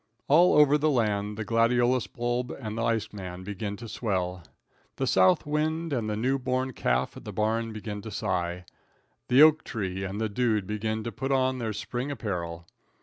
All over the land the gladiolus bulb and the ice man begin to swell. The south wind and the new born calf at the barn begin to sigh. The oak tree and the dude begin to put on their spring apparel.